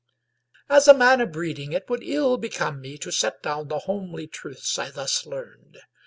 As a man of breeding it would ill become me to set down the homely truths I thus learned.